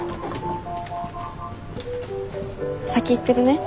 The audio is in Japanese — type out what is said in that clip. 先行ってるね。